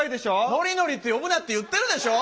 のりのりって呼ぶなって言ってるでしょ！